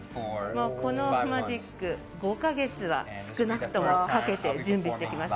このマジック５カ月は少なくともかけて準備してきました。